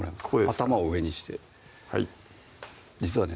頭を上にしてはい実はね